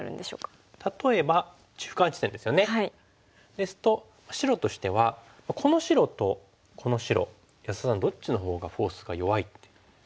ですと白としてはこの白とこの白安田さんどっちのほうがフォースが弱いと思います？